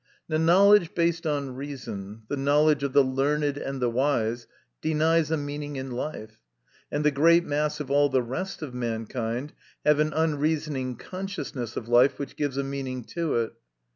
The knowledge based on reason, the know ledge of the learned and the wise, denies a meaning in life, and the great mass of all the rest of mankind have an unreasoning consciousness of life which gives a meaning to it.